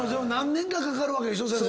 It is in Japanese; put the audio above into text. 何年かかかるわけでしょ？